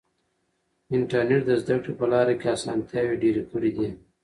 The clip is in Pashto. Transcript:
انټرنیټ د زده کړې په لاره کې اسانتیاوې ډېرې کړې دي.